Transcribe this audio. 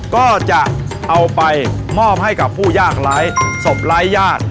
ก็จะเอาไปมอบให้กับผู้ยากร้ายศพร้ายญาติ